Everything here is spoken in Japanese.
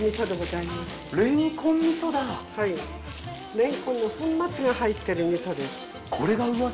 れんこんの粉末が入ってる味噌です。